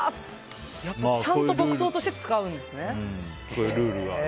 ちゃんと木刀として使うんですね。